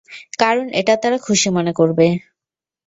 কারণ এটা তারা খুশিমনে করবে।